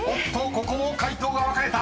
ここも解答が分かれた。